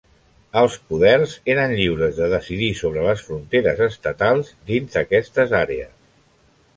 Els poders eren lliures de decidir sobre les fronteres estatals dins d'aquestes àrees.